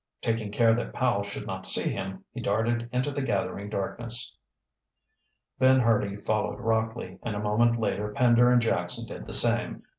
Taking care that Powell should not see him, he darted into the gathering darkness. Ben Hurdy followed Rockley, and a moment later Pender and Jackson did the same.